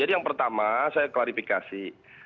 yang pertama saya klarifikasi